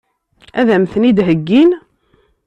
Ad m-ten-id-heggin?